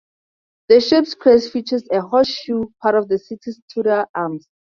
The ship's crest features a horseshoe, part of the city's Tudor arms.